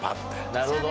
なるほど。